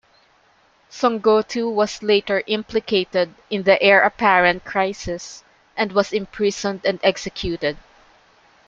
Songgotu was later implicated in the heir-apparent crisis, and was imprisoned and executed.